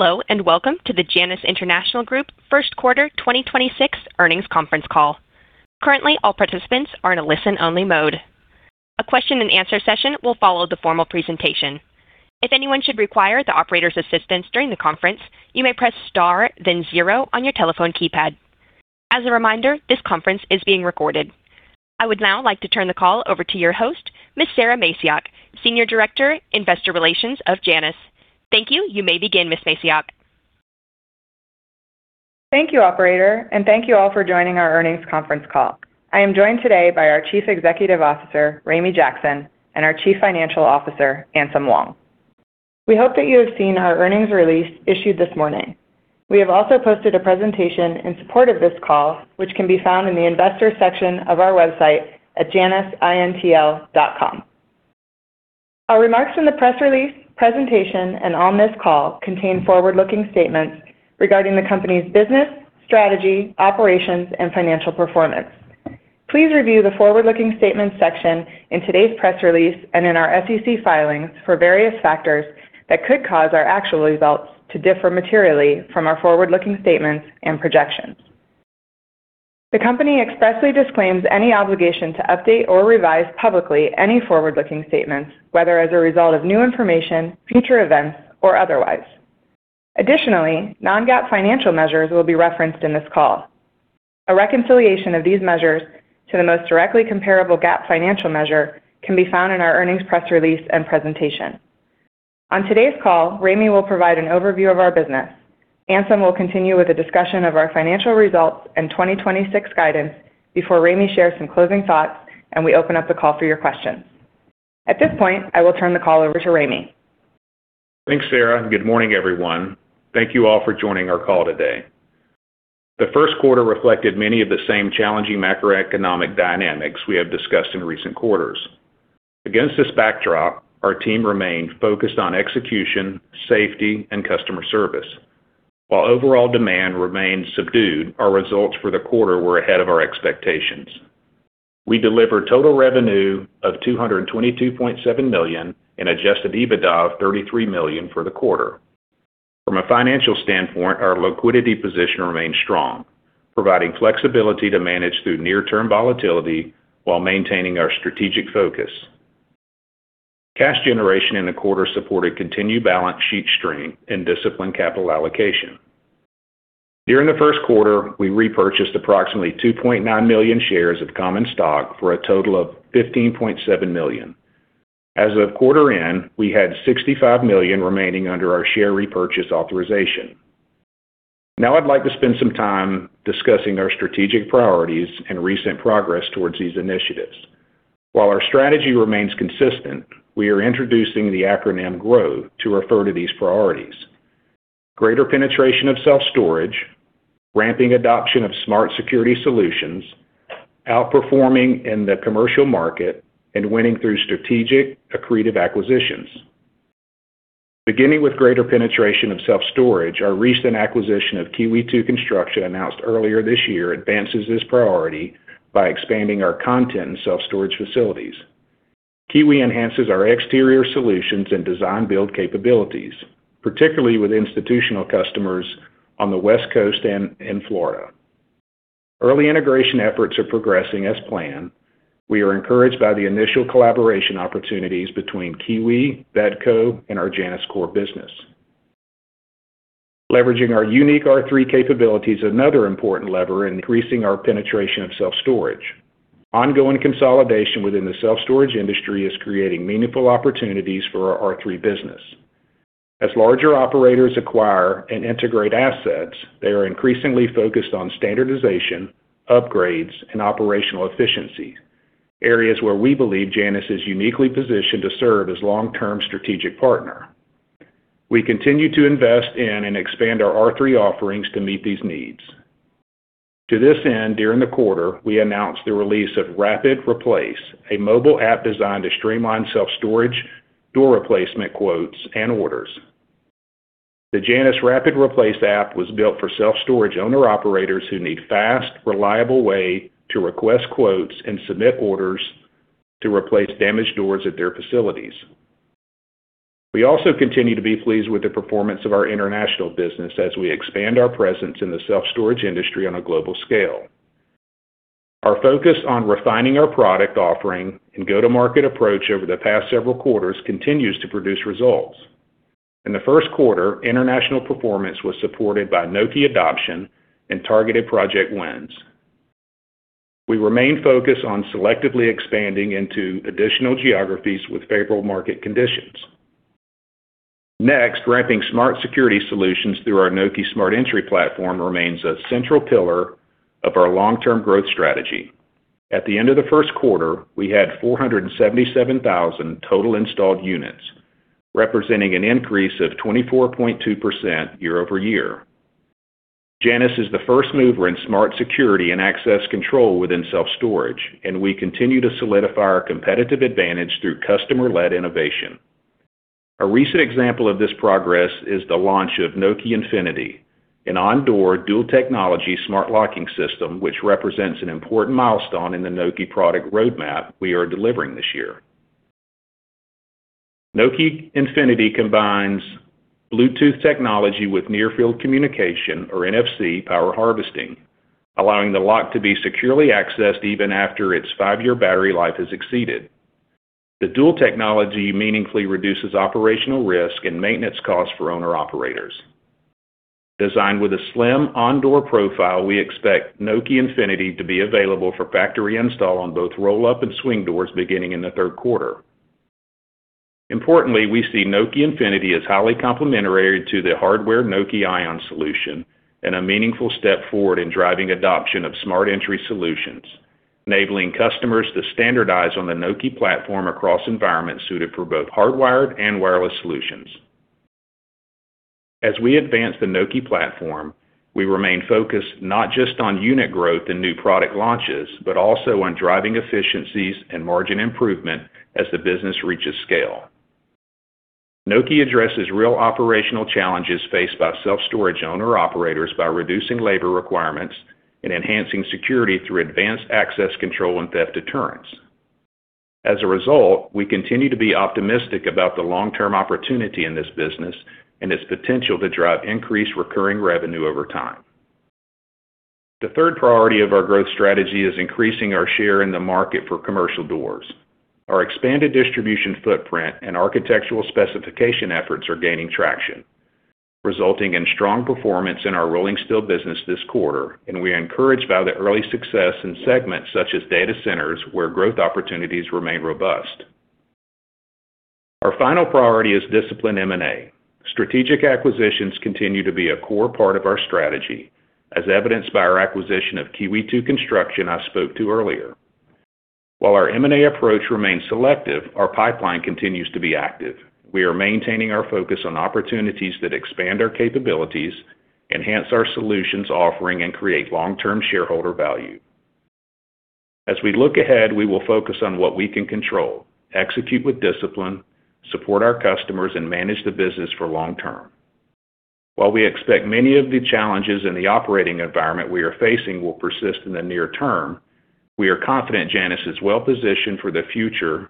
Hello, and welcome to the Janus International Group First Quarter 2026 earnings conference call. Currently, all participants are in a listen-only mode. A question-and-answer session will follow the formal presentation. If anyone should require the operator's assistance during the conference, you may press star then zero on your telephone keypad. As a reminder, this conference is being recorded. I would now like to turn the call over to your host, Ms. Sara Macioch, Senior Director, Investor Relations of Janus. Thank you. You may begin, Ms. Macioch. Thank you, operator, and thank you all for joining our earnings conference call. I am joined today by our Chief Executive Officer, Ramey Jackson, and our Chief Financial Officer, Anselm Wong. We hope that you have seen our earnings release issued this morning. We have also posted a presentation in support of this call, which can be found in the Investors section of our website at janusintl.com. Our remarks in the press release, presentation, and on this call contain forward-looking statements regarding the company's business, strategy, operations, and financial performance. Please review the Forward-Looking Statements section in today's press release and in our SEC filings for various factors that could cause our actual results to differ materially from our forward-looking statements and projections. The company expressly disclaims any obligation to update or revise publicly any forward-looking statements, whether as a result of new information, future events, or otherwise. Additionally, non-GAAP financial measures will be referenced in this call. A reconciliation of these measures to the most directly comparable GAAP financial measure can be found in our earnings press release and presentation. On today's call, Ramey will provide an overview of our business. Anselm will continue with a discussion of our financial results and 2026 guidance before Ramey shares some closing thoughts and we open up the call for your questions. At this point, I will turn the call over to Ramey. Thanks, Sara, and good morning, everyone. Thank you all for joining our call today. The first quarter reflected many of the same challenging macroeconomic dynamics we have discussed in recent quarters. Against this backdrop, our team remained focused on execution, safety, and customer service. While overall demand remained subdued, our results for the quarter were ahead of our expectations. We delivered total revenue of $222.7 million and Adjusted EBITDA of $33 million for the quarter. From a financial standpoint, our liquidity position remains strong, providing flexibility to manage through near-term volatility while maintaining our strategic focus. Cash generation in the quarter supported continued balance sheet strength and disciplined capital allocation. During the first quarter, we repurchased approximately 2.9 million shares of common stock for a total of $15.7 million. As of quarter end, we had $65 million remaining under our share repurchase authorization. I'd like to spend some time discussing our strategic priorities and recent progress towards these initiatives. While our strategy remains consistent, we are introducing the acronym GROW to refer to these priorities. Greater penetration of self-storage, ramping adoption of smart security solutions, outperforming in the commercial market, and winning through strategic accretive acquisitions. Beginning with greater penetration of self-storage, our recent acquisition of Kiwi II Construction announced earlier this year advances this priority by expanding our content and self-storage facilities. Kiwi enhances our exterior solutions and design build capabilities, particularly with institutional customers on the West Coast and in Florida. Early integration efforts are progressing as planned. We are encouraged by the initial collaboration opportunities between Kiwi, BETCO, and our Janus core business. Leveraging our unique R3 capabilities is another important lever in increasing our penetration of self-storage. Ongoing consolidation within the self-storage industry is creating meaningful opportunities for our R3 business. As larger operators acquire and integrate assets, they are increasingly focused on standardization, upgrades, and operational efficiency, areas where we believe Janus is uniquely positioned to serve as long-term strategic partner. We continue to invest in and expand our R3 offerings to meet these needs. To this end, during the quarter, we announced the release of Rapid Replace, a mobile app designed to streamline self-storage, door replacement quotes, and orders. The Janus Rapid Replace app was built for self-storage owner-operators who need fast, reliable way to request quotes and submit orders to replace damaged doors at their facilities. We also continue to be pleased with the performance of our international business as we expand our presence in the self-storage industry on a global scale. Our focus on refining our product offering and go-to-market approach over the past several quarters continue to produce results. In the first quarter, international performance was supported by Nokē adoption and targeted project wins. We remain focused on selectively expanding into additional geographies with favorable market conditions. Next, ramping smart security solutions through our Nokē Smart Entry platform remains a central pillar of our long-term growth strategy. At the end of the first quarter, we had 477,000 total installed units, representing an increase of 24.2% year-over-year. Janus is the first mover in smart security and access control within self-storage, and we continue to solidify our competitive advantage through customer-led innovation. A recent example of this progress is the launch of Nokē Infinitē, an on-door dual technology smart locking system, which represents an important milestone in the Nokē product roadmap we are delivering this year. Nokē Infinitē combines Bluetooth technology with near-field communication, or NFC, power harvesting, allowing the lock to be securely accessed even after its five-year battery life is exceeded. The dual technology meaningfully reduces operational risk and maintenance costs for owner-operators. Designed with a slim on-door profile, we expect Nokē Infinitē to be available for factory install on both roll-up and swing doors beginning in the third quarter. Importantly, we see Nokē Infinitē as highly complementary to the hardwired Nokē Ion solution and a meaningful step forward in driving adoption of smart entry solutions, enabling customers to standardize on the Nokē platform across environments suited for both hardwired and wireless solutions. As we advance the Nokē platform, we remain focused not just on unit growth and new product launches, but also on driving efficiencies and margin improvement as the business reaches scale. Nokē addresses real operational challenges faced by self-storage owner-operators by reducing labor requirements and enhancing security through advanced access control and theft deterrence. As a result, we continue to be optimistic about the long-term opportunity in this business and its potential to drive increased recurring revenue over time. The third priority of our growth strategy is increasing our share in the market for commercial doors. Our expanded distribution footprint and architectural specification efforts are gaining traction, resulting in strong performance in our rolling steel business this quarter. We are encouraged by the early success in segments such as data centers, where growth opportunities remain robust. Our final priority is disciplined M&A. Strategic acquisitions continue to be a core part of our strategy, as evidenced by our acquisition of Kiwi II Construction I spoke to earlier. While our M&A approach remains selective, our pipeline continues to be active. We are maintaining our focus on opportunities that expand our capabilities, enhance our solutions offering, and create long-term shareholder value. As we look ahead, we will focus on what we can control, execute with discipline, support our customers, and manage the business for long term. While we expect many of the challenges in the operating environment we are facing will persist in the near term, we are confident Janus is well-positioned for the future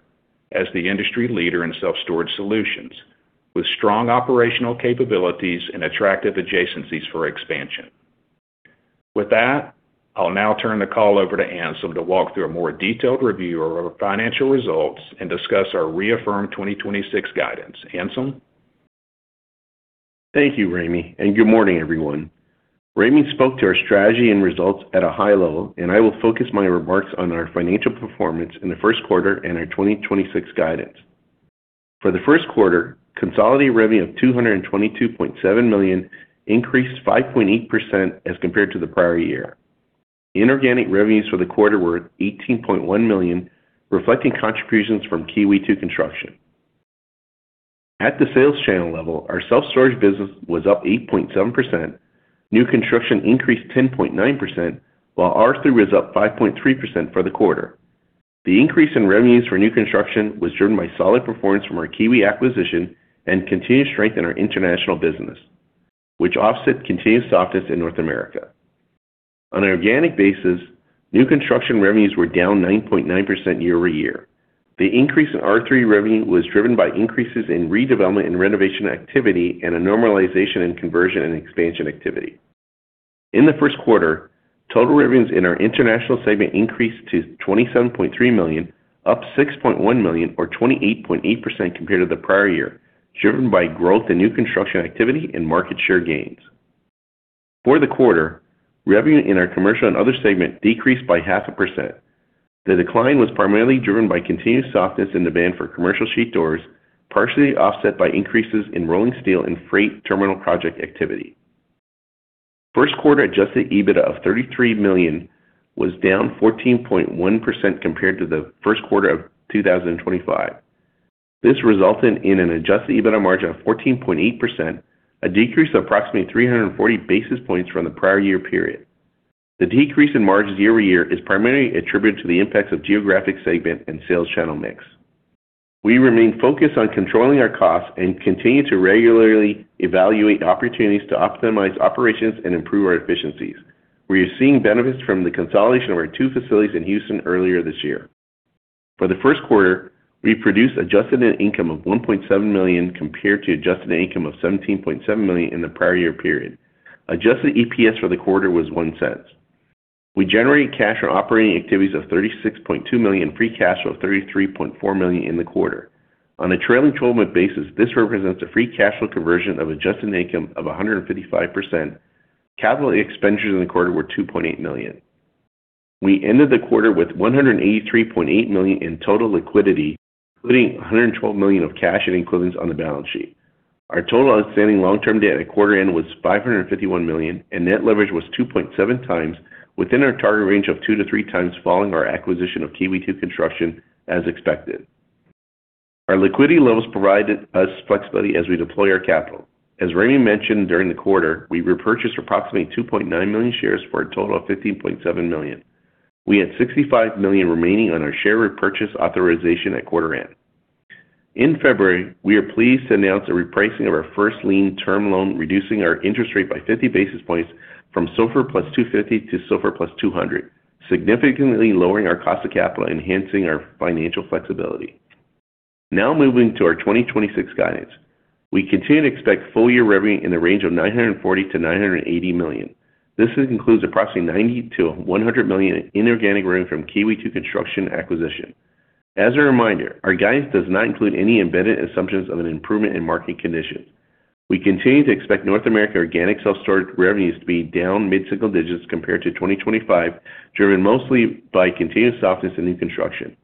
as the industry leader in self-storage solutions, with strong operational capabilities and attractive adjacencies for expansion. With that, I'll now turn the call over to Anselm to walk through a more detailed review of our financial results and discuss our reaffirmed 2026 guidance. Anselm? Thank you, Ramey, and good morning, everyone. Ramey spoke to our strategy and results at a high level, and I will focus my remarks on our financial performance in the first quarter and our 2026 guidance. For the first quarter, consolidated revenue of $222.7 million increased 5.8% as compared to the prior year. Inorganic revenues for the quarter were $18.1 million, reflecting contributions from Kiwi II Construction. At the sales channel level, our self-storage business was up 8.7%. New construction increased 10.9%, while R3 was up 5.3% for the quarter. The increase in revenues for new construction was driven by solid performance from our Kiwi acquisition and continued strength in our international business, which offset continued softness in North America. On an organic basis, new construction revenues were down 9.9% year-over-year. The increase in R3 revenue was driven by increases in redevelopment and renovation activity and a normalization in conversion and expansion activity. In the first quarter, total revenues in our international segment increased to $27.3 million, up $6.1 million or 28.8% compared to the prior year, driven by growth in new construction activity and market share gains. For the quarter, revenue in our commercial and other segment decreased by 0.5%. The decline was primarily driven by continued softness in demand for commercial sheet doors, partially offset by increases in rolling steel and freight terminal project activity. First quarter Adjusted EBITDA of $33 million was down 14.1% compared to the first quarter of 2025. This resulted in an Adjusted EBITDA margin of 14.8%, a decrease of approximately 340 basis points from the prior year period. The decrease in margins year-over-year is primarily attributed to the impacts of geographic segment and sales channel mix. We remain focused on controlling our costs and continue to regularly evaluate opportunities to optimize operations and improve our efficiencies. We are seeing benefits from the consolidation of our two facilities in Houston earlier this year. For the first quarter, we produced adjusted net income of $1.7 million compared to adjusted net income of $17.7 million in the prior year period. Adjusted EPS for the quarter was $0.01. We generated cash from operating activities of $36.2 million, free cash flow of $33.4 million in the quarter. On a trailing 12-month basis, this represents a free cash flow conversion of adjusted net income of 155%. Capital expenditures in the quarter were $2.8 million. We ended the quarter with $183.8 million in total liquidity, including $112 million of cash and equivalents on the balance sheet. Our total outstanding long-term debt at quarter end was $551 million, and net leverage was 2.7x within our target range of 2x-3x following our acquisition of Kiwi II Construction as expected. Our liquidity levels provided us flexibility as we deploy our capital. As Ramey mentioned during the quarter, we repurchased approximately 2.9 million shares for a total of $15.7 million. We had $65 million remaining on our share repurchase authorization at quarter end. In February, we are pleased to announce a repricing of our first lien term loan, reducing our interest rate by 50 basis points from SOFR +250 to SOFR +200, significantly lowering our cost of capital, enhancing our financial flexibility. Moving to our 2026 guidance. We continue to expect full year revenue in the range of $940 million-$980 million. This includes approximately $90 million-$100 million in organic revenue from Kiwi II Construction acquisition. As a reminder, our guidance does not include any embedded assumptions of an improvement in market conditions. We continue to expect North America organic self-storage revenues to be down mid-single digits compared to 2025, driven mostly by continued softness in new construction.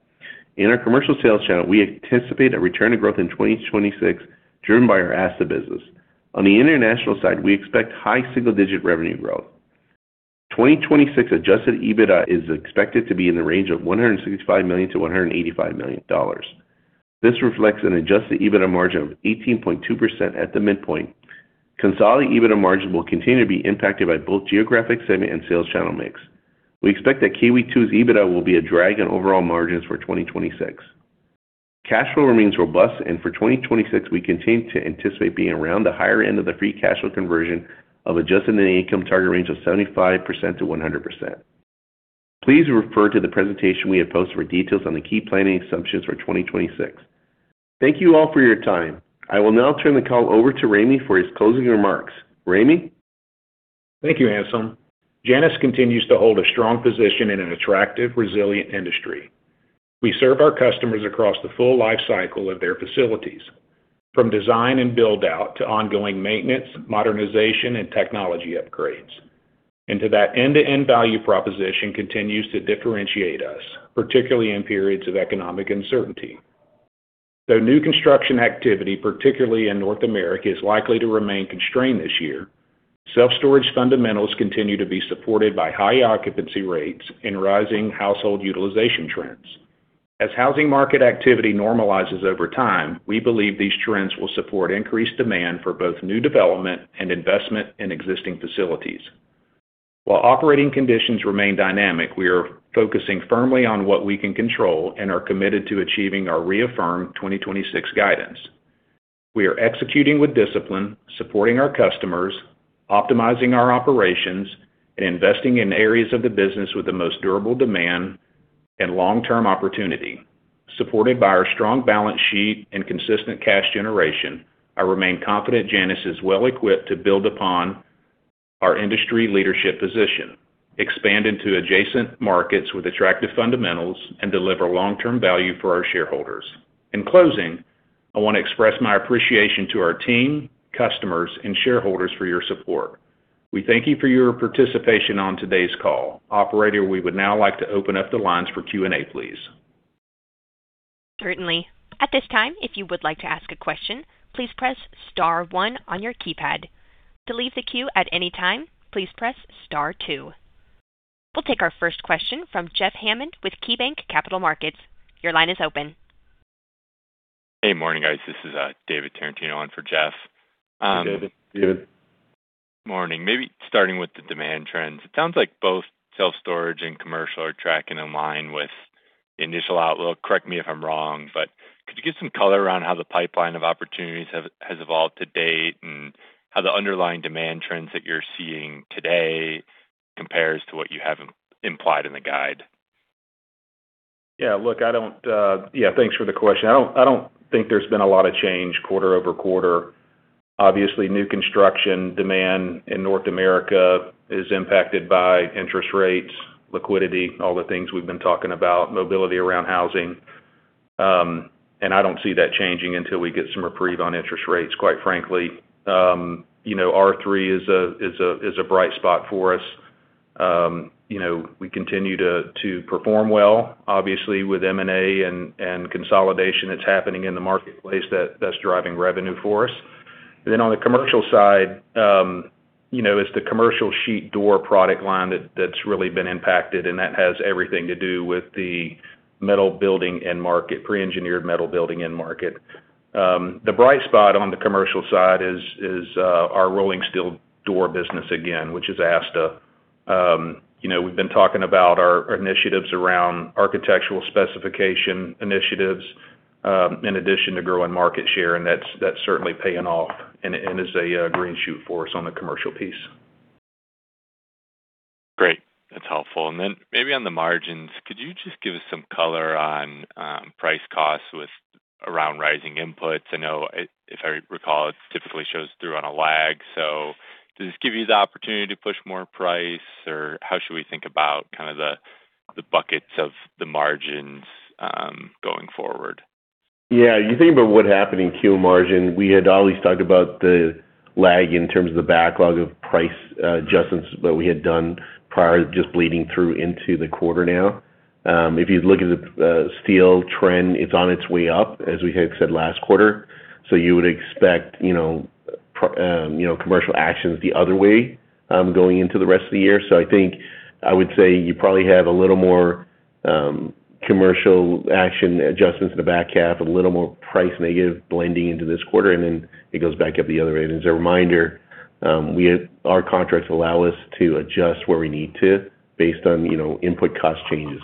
In our commercial sales channel, we anticipate a return to growth in 2026, driven by our ASTA business. On the international side, we expect high single-digit revenue growth. 2026 Adjusted EBITDA is expected to be in the range of $165 million-$185 million. This reflects an Adjusted EBITDA margin of 18.2% at the midpoint. Consolidated EBITDA margin will continue to be impacted by both geographic segment and sales channel mix. We expect that Kiwi II's EBITDA will be a drag on overall margins for 2026. Cash flow remains robust, and for 2026, we continue to anticipate being around the higher end of the free cash flow conversion of adjusted net income target range of 75%-100%. Please refer to the presentation we have posted for details on the key planning assumptions for 2026. Thank you all for your time. I will now turn the call over to Ramey for his closing remarks. Ramey? Thank you, Anselm. Janus continues to hold a strong position in an attractive, resilient industry. We serve our customers across the full life cycle of their facilities, from design and build out to ongoing maintenance, modernization, and technology upgrades. That end-to-end value proposition continues to differentiate us, particularly in periods of economic uncertainty. Though new construction activity, particularly in North America, is likely to remain constrained this year, self-storage fundamentals continue to be supported by high occupancy rates and rising household utilization trends. As housing market activity normalizes over time, we believe these trends will support increased demand for both new development and investment in existing facilities. While operating conditions remain dynamic, we are focusing firmly on what we can control and are committed to achieving our reaffirmed 2026 guidance. We are executing with discipline, supporting our customers, optimizing our operations, and investing in areas of the business with the most durable demand and long-term opportunity. Supported by our strong balance sheet and consistent cash generation, I remain confident Janus is well equipped to build upon our industry leadership position, expand into adjacent markets with attractive fundamentals, and deliver long-term value for our shareholders. In closing, I want to express my appreciation to our team, customers, and shareholders for your support. We thank you for your participation on today's call. Operator, we would now like to open up the lines for Q&A, please. Certainly. At this time if you like to ask question, please press star one if you like to leave the queue at any time, please press star two. We'll take our first question from Jeff Hammond with KeyBanc Capital Markets. Your line is open. Hey, morning, guys. This is David Tarantino on for Jeff. Hey, David. David. Morning. Maybe starting with the demand trends, it sounds like both self-storage and commercial are tracking in line with the initial outlook. Correct me if I'm wrong, could you give some color around how the pipeline of opportunities has evolved to date and how the underlying demand trends that you're seeing today compares to what you have implied in the guide? Yeah. Look, I don't, Yeah, thanks for the question. I don't think there's been a lot of change quarter-over-quarter. Obviously, new construction demand in North America is impacted by interest rates, liquidity, all the things we've been talking about, mobility around housing. I don't see that changing until we get some reprieve on interest rates, quite frankly. You know, R3 is a bright spot for us. You know, we continue to perform well, obviously with M&A and consolidation that's happening in the marketplace that's driving revenue for us. On the commercial side, you know, it's the commercial sheet door product line that's really been impacted, and that has everything to do with the metal building end market, pre-engineered metal building end market. The bright spot on the commercial side is our rolling steel door business again, which is ASTA. You know, we've been talking about our initiatives around Architectural Specification Initiatives, in addition to growing market share, and that's certainly paying off and is a green shoot for us on the commercial piece. Great. That is helpful. Maybe on the margins, could you just give us some color on price costs with around rising inputs? I know if I recall, it typically shows through on a lag. Does this give you the opportunity to push more price? How should we think about kind of the buckets of the margins going forward? Yeah. You think about what happened in Q margin. We had always talked about the lag in terms of the backlog of price adjustments that we had done prior just bleeding through into the quarter now. If you look at the steel trend, it's on its way up, as we had said last quarter. You would expect, you know, commercial actions the other way, you know, going into the rest of the year. I think I would say you probably have a little more commercial action adjustments in the back half, a little more price negative blending into this quarter, and then it goes back up the other way. As a reminder, our contracts allow us to adjust where we need to based on, you know, input cost changes.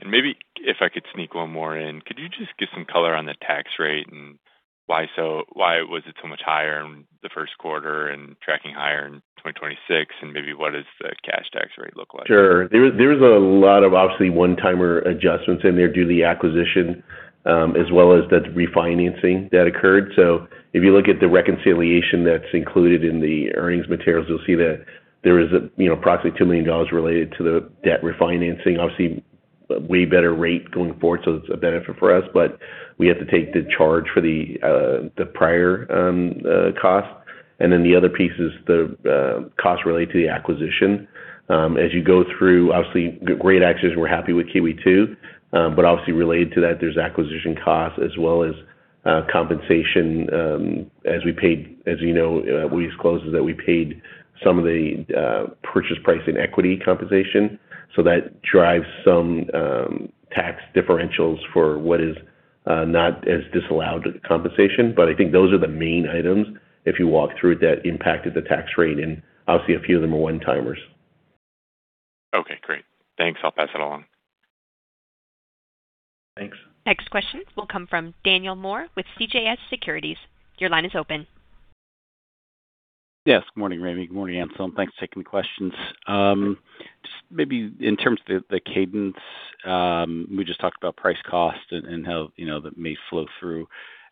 Great. Maybe if I could sneak one more in. Could you just give some color on the tax rate why was it so much higher in the first quarter and tracking higher in 2026? Maybe what is the cash tax rate look like? Sure. There, there is a lot of obviously one-timer adjustments in there due to the acquisition, as well as the refinancing that occurred. If you look at the reconciliation that's included in the earnings materials, you'll see that there is a, you know, approximately $2 million related to the debt refinancing. Obviously, a way better rate going forward, so it's a benefit for us. We have to take the charge for the prior cost. Then the other piece is the cost related to the acquisition. As you go through, obviously great actions, we're happy with Kiwi II. Obviously related to that, there's acquisition costs as well as compensation, as we paid. As you know, we disclosed that we paid some of the purchase price in equity compensation. That drives some tax differentials for what is not as disallowed compensation. I think those are the main items, if you walk through, that impacted the tax rate, and obviously a few of them are one-timers. Okay, great. Thanks. I'll pass it along. Thanks. Next question will come from Daniel Moore with CJS Securities. Your line is open. Yes. Good morning, Ramey. Good morning, Anselm. Thanks for taking the questions. Just maybe in terms of the cadence, we just talked about price cost and how, you know, that may flow through.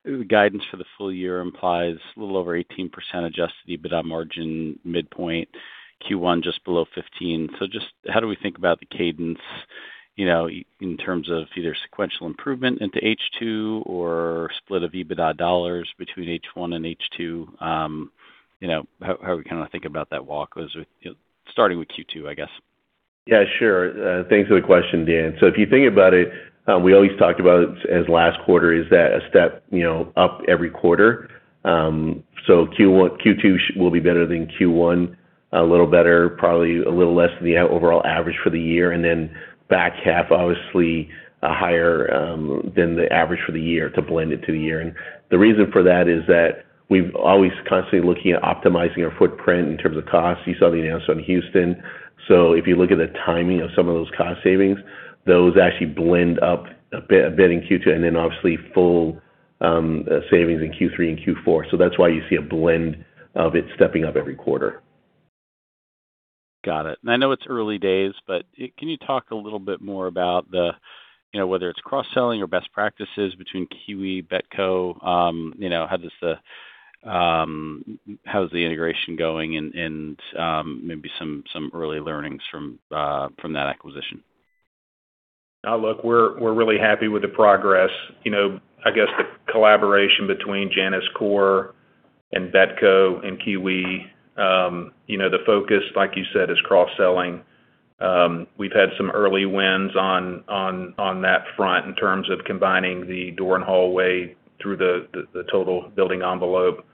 The guidance for the full year implies a little over 18% Adjusted EBITDA margin midpoint, Q1 just below 15. Just how do we think about the cadence, you know, in terms of either sequential improvement into H2 or split of EBITDA dollars between H1 and H2? You know, how we kinda think about that walk was with, you know, starting with Q2, I guess. Yeah, sure. Thanks for the question, Dan. If you think about it, we always talked about it as last quarter, is that a step, you know, up every quarter. Q2 will be better than Q1, a little better, probably a little less than the overall average for the year. Back half, obviously a higher than the average for the year to blend it to the year. The reason for that is that we've always constantly looking at optimizing our footprint in terms of costs. You saw the announcement in Houston. If you look at the timing of some of those cost savings, those actually blend up a bit in Q2, and then obviously full savings in Q3 and Q4. That's why you see a blend of it stepping up every quarter. Got it. I know it's early days, but can you talk a little bit more about the, you know, whether it's cross-selling or best practices between Kiwi, BETCO, you know, how does the, how's the integration going and maybe some early learnings from that acquisition? Look, we're really happy with the progress. You know, I guess the collaboration between Janus Core and BETCO and Kiwi, you know, the focus, like you said, is cross-selling. We've had some early wins on that front in terms of combining the door and hallway through the total building envelope.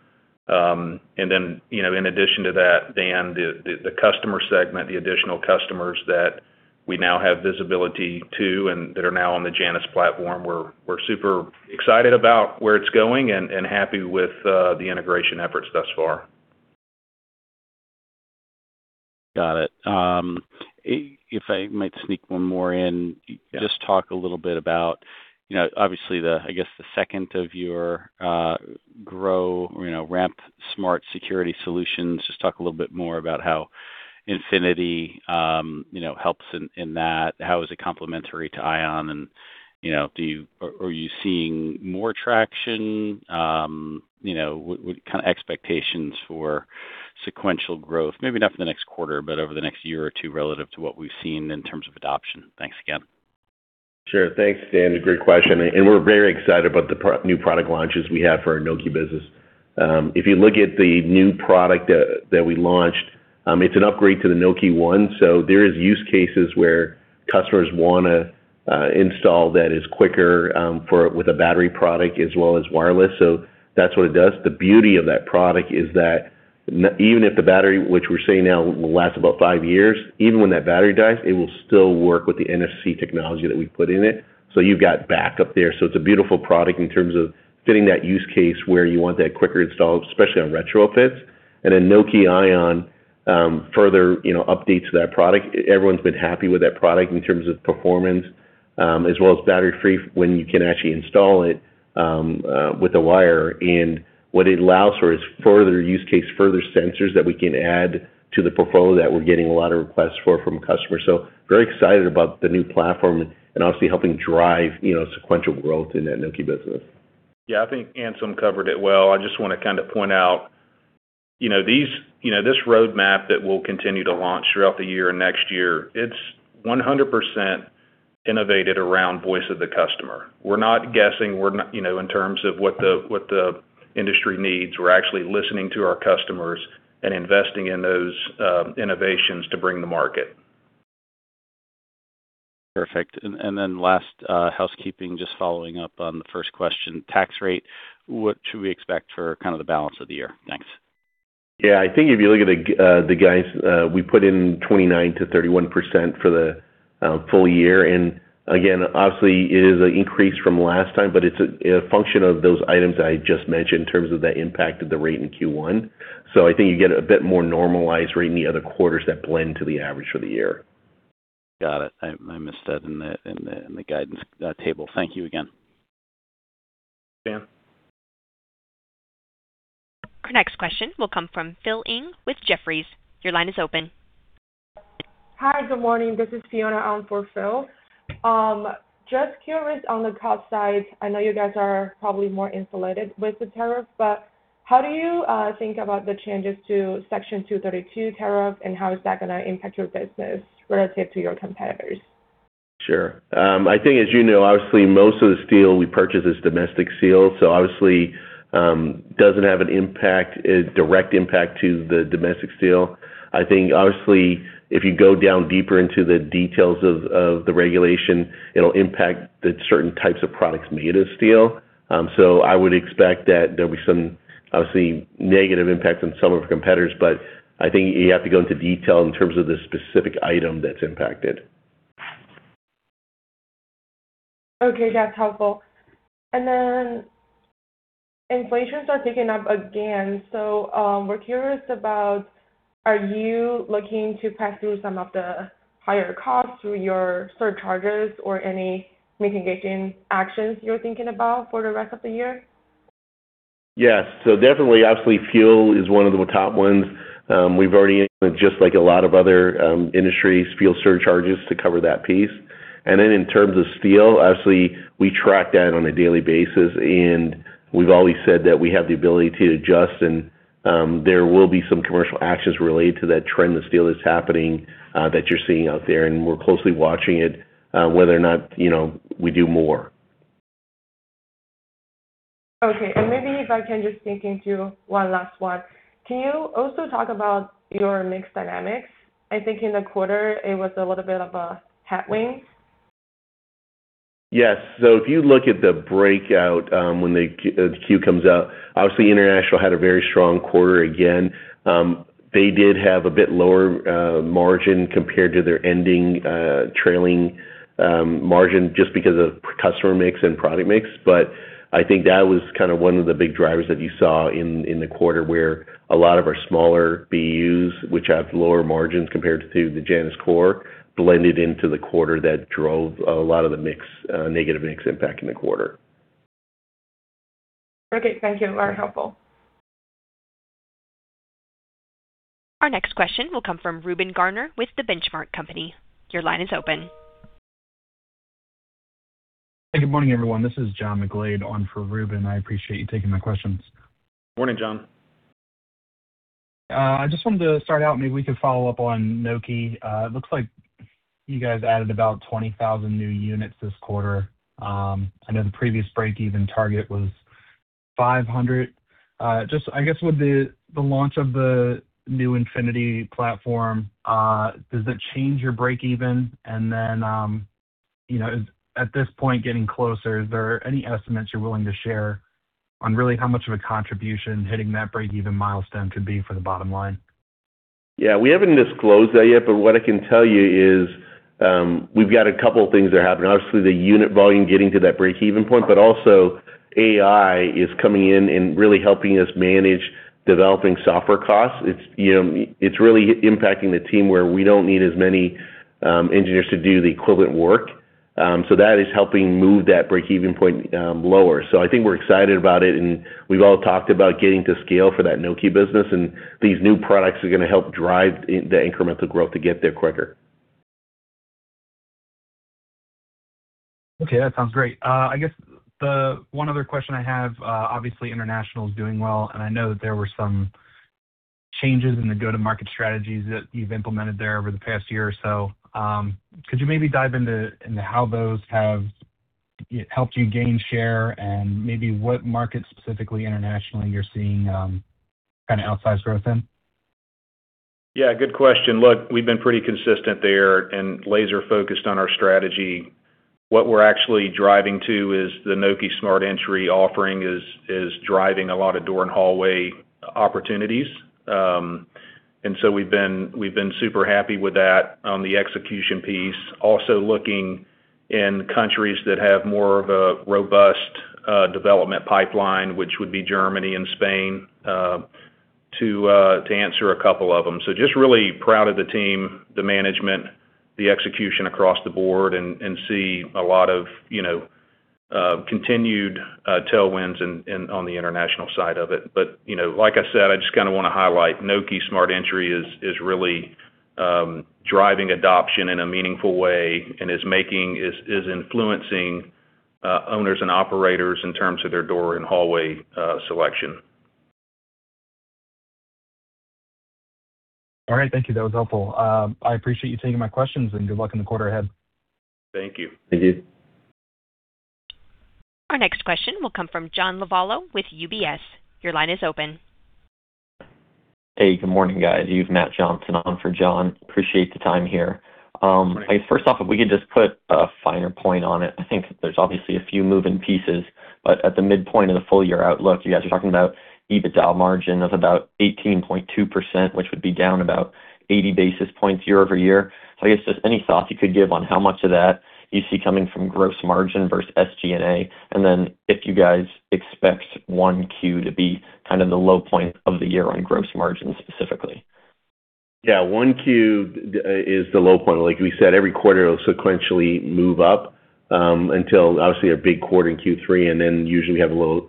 Then, you know, in addition to that, Dan, the customer segment, the additional customers that we now have visibility to and that are now on the Janus platform, we're super excited about where it's going and happy with the integration efforts thus far. Got it. If I might sneak one more in just talk a little bit about, you know, obviously the, I guess, the second of your GROW, you know, ramp smart security solutions. Just talk a little bit more about how Nokē Infinitē, you know, helps in that. How is it complementary to Nokē Ion? You know, are you seeing more traction? You know, what kind of expectations for sequential growth, maybe not for the next quarter, but over the next year or two relative to what we've seen in terms of adoption. Thanks again. Sure. Thanks, Dan. Great question. We're very excited about the new product launches we have for our Nokē business. If you look at the new product that we launched, it's an upgrade to the Nokē ONE. There is use cases where customers wanna install that is quicker for with a battery product as well as wireless. That's what it does. The beauty of that product is that even if the battery, which we're seeing now will last about five years, even when that battery dies, it will still work with the NFC technology that we put in it. You've got backup there. It's a beautiful product in terms of fitting that use case where you want that quicker install, especially on retrofits. Nokē Ion, further, you know, updates that product. Everyone's been happy with that product in terms of performance, as well as battery free when you can actually install it with a wire. What it allows for is further use case, further sensors that we can add to the portfolio that we're getting a lot of requests for from customers. Very excited about the new platform and obviously helping drive, you know, sequential growth in that Nokē business. Yeah. I think Anselm covered it well. I just wanna kinda point out, you know, this roadmap that we'll continue to launch throughout the year and next year, it's 100% innovated around voice of the customer. We're not guessing. We're not, you know, in terms of what the industry needs. We're actually listening to our customers and investing in those innovations to bring the market. Perfect. Then last, housekeeping, just following up on the first question, tax rate, what should we expect for kind of the balance of the year? Thanks. Yeah. I think if you look at the guidance, we put in 29%-31% for the full year. Again, obviously, it is an increase from last time, but it's a, you know, function of those items that I just mentioned in terms of the impact of the rate in Q1. I think you get a bit more normalized rate in the other quarters that blend to the average for the year. Got it. I missed that in the guidance table. Thank you again. Yeah. Our next question will come from Philip Ng with Jefferies. Your line is open. Hi, good morning. This is Fiona on for Phil. Just curious on the cost side, I know you guys are probably more insulated with the tariff, how do you think about the changes to Section 232 tariff, how is that gonna impact your business relative to your competitors? Sure. I think as you know, obviously, most of the steel we purchase is domestic steel, so obviously, doesn't have an impact, a direct impact to the domestic steel. I think obviously, if you go down deeper into the details of the regulation, it'll impact the certain types of products made of steel. I would expect that there'll be some obviously negative impact on some of our competitors, but I think you have to go into detail in terms of the specific item that's impacted. Okay, that's helpful. Inflation starts ticking up again. We're curious about, are you looking to pass through some of the higher costs through your surcharges or any mitigation actions you're thinking about for the rest of the year? Yes. Definitely, absolutely, fuel is one of the top ones. We've already, just like a lot of other industries, fuel surcharges to cover that piece. In terms of steel, obviously we track that on a daily basis, and we've always said that we have the ability to adjust and there will be some commercial actions related to that trend of steel that's happening that you're seeing out there, and we're closely watching it whether or not, you know, we do more. Okay. Maybe if I can just sneak into one last one. Can you also talk about your mix dynamics? I think in the quarter it was a little bit of a headwind. Yes. If you look at the breakout, when the Q comes out, obviously international had a very strong quarter again. They did have a bit lower margin compared to their ending trailing margin just because of customer mix and product mix. I think that was kind of one of the big drivers that you saw in the quarter, where a lot of our smaller BUs, which have lower margins compared to the Janus core, blended into the quarter that drove a lot of the mix negative mix impact in the quarter. Okay. Thank you. Very helpful. Our next question will come from Reuben Garner with The Benchmark Company. Your line is open. Hey, good morning, everyone. This is John McGlade on for Reuben. I appreciate you taking my questions. Morning, John. I just wanted to start out, maybe we could follow up on Nokē. It looks like you guys added about 20,000 new units this quarter. I know the previous break-even target was 500. Just I guess with the launch of the new Nokē Infinitē platform, does it change your break-even? Then, you know, is at this point getting closer, is there any estimates you're willing to share on really how much of a contribution hitting that break-even milestone could be for the bottom line? Yeah, we haven't disclosed that yet, but what I can tell you is, we've got a couple things that are happening. Obviously, the unit volume getting to that break-even point, but also AI is coming in and really helping us manage developing software costs. It's, it's really impacting the team where we don't need as many engineers to do the equivalent work. That is helping move that break-even point lower. I think we're excited about it, and we've all talked about getting to scale for that Nokē business. These new products are gonna help drive the incremental growth to get there quicker. Okay, that sounds great. I guess the one other question I have, obviously international is doing well, and I know that there were some changes in the go-to-market strategies that you've implemented there over the past year or so. Could you maybe dive into how those have helped you gain share and maybe what markets specifically internationally you're seeing, kinda outsized growth in? Good question. Look, we've been pretty consistent there and laser-focused on our strategy. What we're actually driving to is the Nokē Smart Entry offering is driving a lot of door and hallway opportunities. We've been super happy with that on the execution piece. Also looking in countries that have more of a robust development pipeline, which would be Germany and Spain, to answer a couple of them. Just really proud of the team, the management, the execution across the board and see a lot of, you know, continued tailwinds on the international side of it. You know, like I said, I just kinda wanna highlight Nokē Smart Entry is really driving adoption in a meaningful way and is influencing owners and operators in terms of their door and hallway selection. All right. Thank you. That was helpful. I appreciate you taking my questions, and good luck in the quarter ahead. Thank you. Our next question will come from John Lovallo with UBS. Your line is open. Hey, good morning, guys. You've Matt Johnson on for John. Appreciate the time here. First off, if we could just put a finer point on it. I think there's obviously a few moving pieces, but at the midpoint of the full-year outlook, you guys are talking about EBITDA margin of about 18.2%, which would be down about 80 basis points year-over-year. Any thoughts you could give on how much of that you see coming from gross margin versus SG&A, and then if you guys expect 1Q to be kind of the low point of the year on gross margin specifically? 1Q is the low point. Like we said, every quarter it'll sequentially move up, until obviously our big quarter in Q3 and then usually we have a little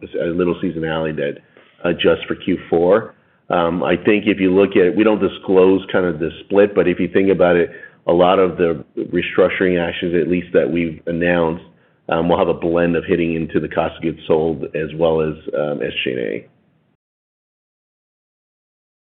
seasonality that adjusts for Q4. I think if you look at it, we don't disclose kind of the split, but if you think about it, a lot of the restructuring actions, at least that we've announced, will have a blend of hitting into the cost of goods sold as well as G&A.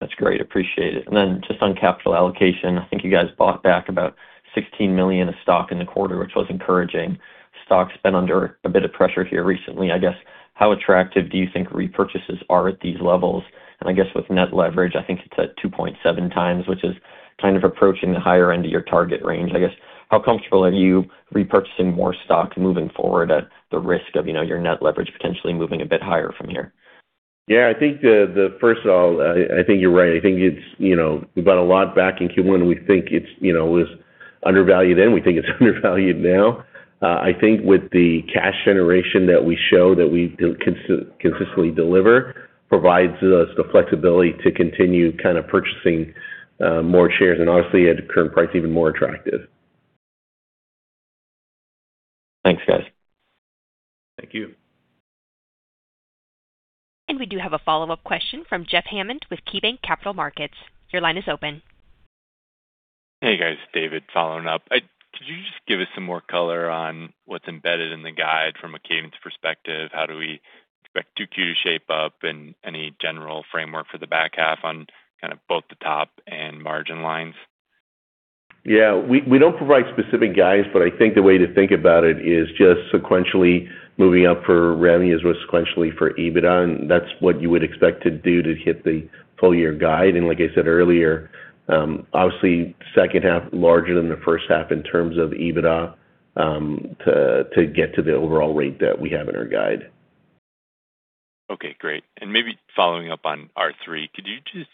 That's great. Appreciate it. Then just on capital allocation, I think you guys bought back about $16 million of stock in the quarter, which was encouraging. Stock's been under a bit of pressure here recently. I guess, how attractive do you think repurchases are at these levels? I guess with net leverage, I think it's at 2.7x, which is kind of approaching the higher end of your target range. I guess, how comfortable are you repurchasing more stock moving forward at the risk of, you know, your net leverage potentially moving a bit higher from here? I think the first of all, I think you're right. I think it's, you know, we bought a lot back in Q1. We think it's, you know, it was undervalued then. We think it's undervalued now. I think with the cash generation that we show that we consistently deliver provides us the flexibility to continue kind of purchasing more shares and obviously at the current price, even more attractive. Thanks, guys. Thank you. We do have a follow-up question from Jeff Hammond with KeyBanc Capital Markets. Your line is open. Hey, guys. David following up. Could you just give us some more color on what's embedded in the guide from a cadence perspective? How do we expect 2Q to shape up and any general framework for the back half on kind of both the top and margin lines? Yeah. We don't provide specific guides, I think the way to think about it is just sequentially moving up for revenue is sequentially for EBITDA, That's what you would expect to do to hit the full year guide. Like I said earlier, obviously second half larger than the first half in terms of EBITDA, to get to the overall rate that we have in our guide. Okay, great. Maybe following up on R3, could you just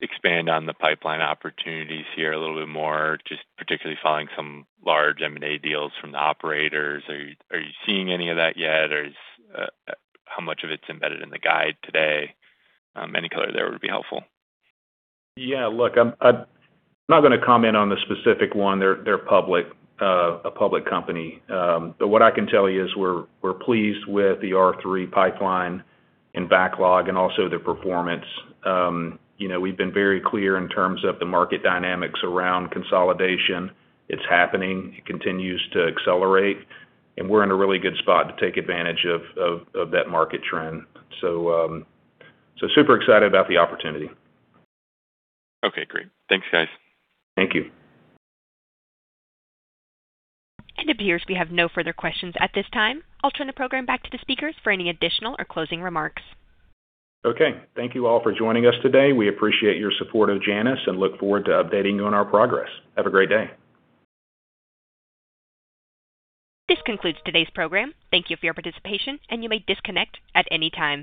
expand on the pipeline opportunities here a little bit more, just particularly following some large M&A deals from the operators? Are you seeing any of that yet or is How much of it's embedded in the guide today? Any color there would be helpful. I'm not gonna comment on the specific one. They're a public company. What I can tell you is we're pleased with the R3 pipeline and backlog and also the performance. You know, we've been very clear in terms of the market dynamics around consolidation. It's happening. It continues to accelerate, and we're in a really good spot to take advantage of that market trend. Super excited about the opportunity. Okay, great. Thanks, guys. Thank you. It appears we have no further questions at this time. I'll turn the program back to the speakers for any additional or closing remarks. Thank you all for joining us today. We appreciate your support of Janus and look forward to updating you on our progress. Have a great day. This concludes today's program. Thank you for your participation, and you may disconnect at any time.